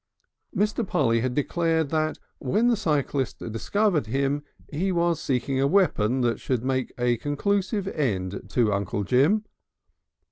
Mr. Polly had declared that when the cyclist discovered him he was seeking a weapon that should make a conclusive end to Uncle Jim.